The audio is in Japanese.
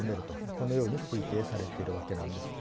このように推定されているわけなんです。